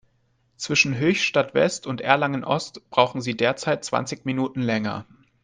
Zwischen Höchstadt-West und Erlangen-Ost brauchen Sie derzeit zwanzig Minuten länger.